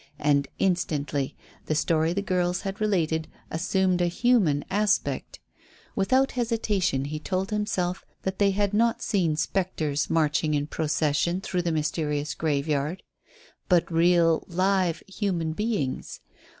And instantly the story the girls had related assumed a human aspect. Without hesitation he told himself that they had not seen spectres marching in procession through the mysterious graveyard, but real, live, human beings.